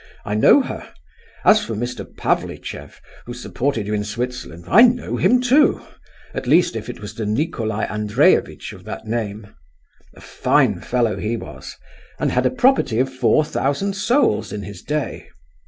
I know her. As for Mr. Pavlicheff, who supported you in Switzerland, I know him too—at least, if it was Nicolai Andreevitch of that name? A fine fellow he was—and had a property of four thousand souls in his day."